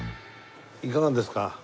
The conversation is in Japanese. いかがですか？